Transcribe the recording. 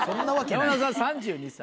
山田さん３２歳。